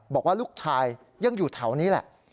บอกว่าลูกชายยังอยู่แถวนี้แหละ